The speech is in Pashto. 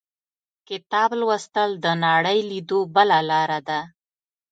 • کتاب لوستل، د نړۍ لیدو بله لاره ده.